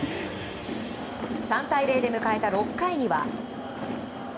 ３対０で迎えた６回には。